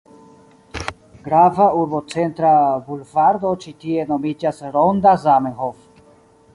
Grava urbocentra bulvardo ĉi tie nomiĝas Ronda Zamenhof.